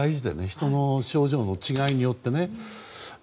人の症状の違いによってね。